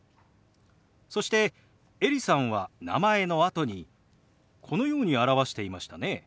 そしてエリさんは名前のあとにこのように表していましたね。